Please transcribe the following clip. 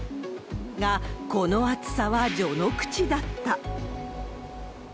が、この暑さは序ノ口だった。